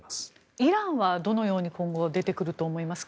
イランはどのように今後、出てくると思いますか。